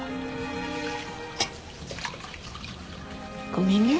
ごめんね。